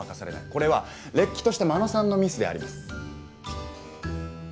これはれっきとした真野さんのミスであります。